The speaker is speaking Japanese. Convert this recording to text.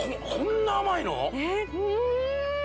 こんな甘いのうん！